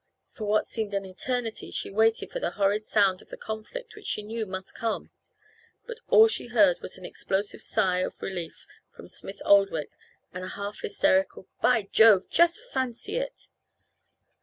For what seemed an eternity she waited for the horrid sound of the conflict which she knew must come, but all she heard was an explosive sigh of relief from Smith Oldwick and a half hysterical "By Jove! Just fancy it!"